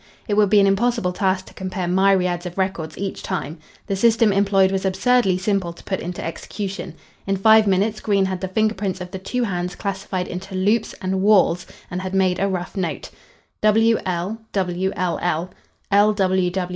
It would be an impossible task to compare myriads of records each time. The system employed was absurdly simple to put into execution. In five minutes Green had the finger prints of the two hands classified into "loops" and "whorls" and had made a rough note. "W.L.W.L.L. "L.